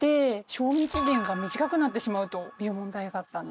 賞味期限が短くなってしまうという問題があったんです。